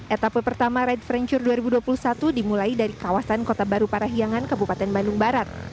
etapa pertama ride franchire dua ribu dua puluh satu dimulai dari kawasan kota baru parahiangan kabupaten bandung barat